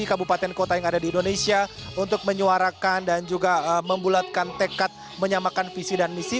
kabupaten kota yang ada di indonesia untuk menyuarakan dan juga membulatkan tekad menyamakan visi dan misi